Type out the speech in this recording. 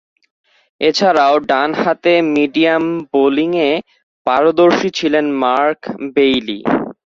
এছাড়াও, ডানহাতে মিডিয়াম বোলিংয়ে পারদর্শী ছিলেন মার্ক বেইলি।